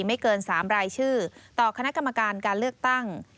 ไม่เกิน๓รายชื่อต่อคณะกรรมการการเลือกตั้ง